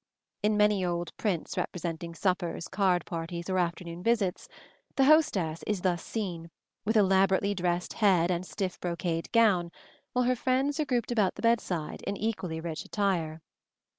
In many old prints representing suppers, card parties, or afternoon visits, the hostess is thus seen, with elaborately dressed head and stiff brocade gown, while her friends are grouped about the bedside in equally rich attire.